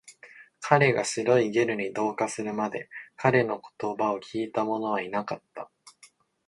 彼が白いゲルに同化するまで、彼の言葉を聞いたものはいなかった